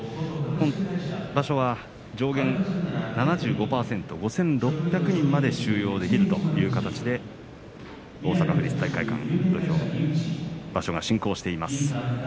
今場所は上限７５％５６００人まで収容できるという形で大阪府立体育会館場所が進行しています。